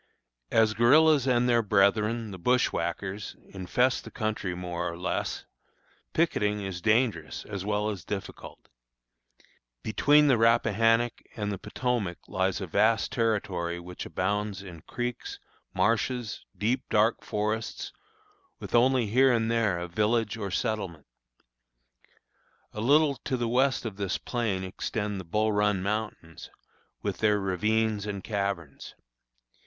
As guerillas and their brethren, the bushwhackers, infest the country more or less, picketing is dangerous as well as difficult. Between the Rappahannock and the Potomac lies a vast territory which abounds in creeks, marshes, deep, dark forests, with only here and there a village or settlement. A little to the west of this plain extend the Bull Run Mountains, with their ravines and caverns.